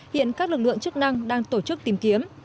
hiện các lực lượng chức năng đang tổ chức tìm kiếm